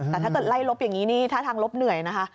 แต่ถ้าเกิดไล่ลบอย่างนี้นี่ท่าทางลบเหนื่อยนะคะ